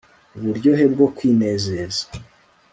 Uburyohe bwo kwinezeza